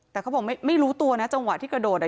แต่เขาบอกไม่รู้ตัวนะจังหวะที่กระโดดอ่ะ